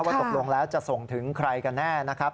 ตกลงแล้วจะส่งถึงใครกันแน่นะครับ